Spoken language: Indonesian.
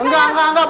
enggak enggak enggak